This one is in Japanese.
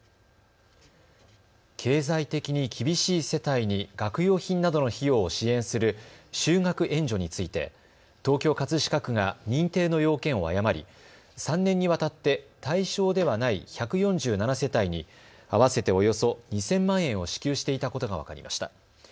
経済的に厳しい世帯に学用品などの費用を支援する就学援助について東京葛飾区が認定の要件を誤り３年にわたって対象ではない１４７世帯に合わせておよそ２０００万円を支給していたことが分かりました。